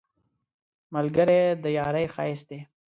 ملګری د یارۍ ښایست دی